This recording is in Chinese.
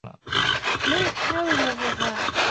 唐朝武德元年复名通州。